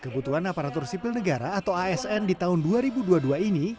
kebutuhan aparatur sipil negara atau asn di tahun dua ribu dua puluh dua ini